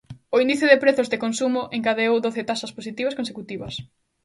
O Índice de Prezos de Consumo encadeou doce taxas positivas consecutivas.